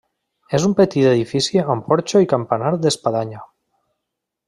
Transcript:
És un petit edifici amb porxo i campanar d'espadanya.